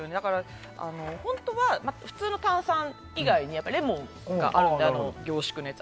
本当は普通の炭酸以外にレモンとかあるので凝縮のやつ。